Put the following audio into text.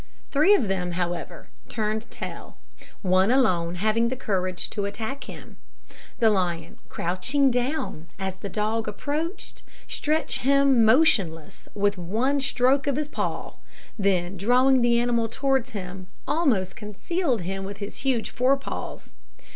Three of them, however, turned tail, one alone having the courage to attack him. The lion, crouching down as the dog approached, stretched him motionless with one stroke of his paw; then drawing the animal towards him, almost concealed him with his huge fore paws.